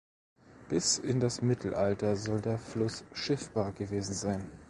Bis in das Mittelalter soll der Fluss schiffbar gewesen sein.